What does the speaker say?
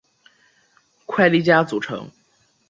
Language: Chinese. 快利佳组成。